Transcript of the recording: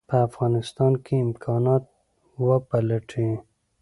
په افغانستان کې امکانات وپلټي.